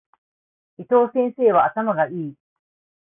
伊藤先生は頭が良い。